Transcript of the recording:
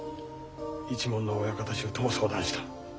一門の親方衆とも相談した。